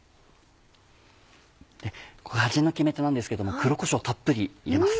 ここが味の決め手なんですけども黒こしょうをたっぷり入れます。